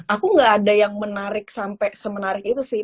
aku gak ada yang menarik sampai semenarik itu sih